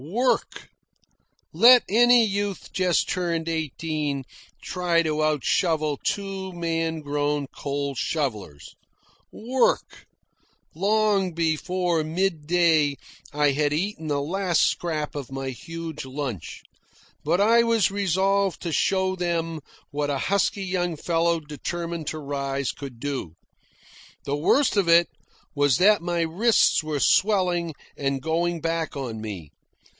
Work! Let any youth just turned eighteen try to out shovel two man grown coal shovellers. Work! Long before midday I had eaten the last scrap of my huge lunch. But I was resolved to show them what a husky young fellow determined to rise could do. The worst of it was that my wrists were swelling and going back on me.